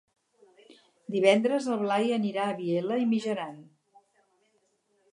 Divendres en Blai anirà a Vielha e Mijaran.